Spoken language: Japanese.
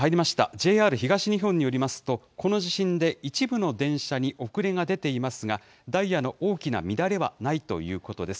ＪＲ東日本によりますと、この地震で一部の電車に遅れが出ていますが、ダイヤの大きな乱れはないということです。